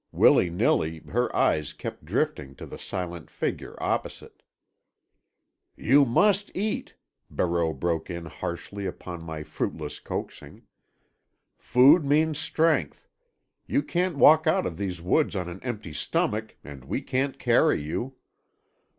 Willy nilly, her eyes kept drifting to the silent figure opposite. "You must eat," Barreau broke in harshly upon my fruitless coaxing. "Food means strength. You can't walk out of these woods on an empty stomach, and we can't carry you."